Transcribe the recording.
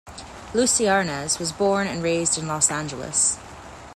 Lucie Arnaz was born and raised in Los Angeles.